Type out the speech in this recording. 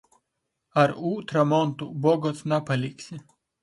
Ar ūtra montu bogots napaliksi.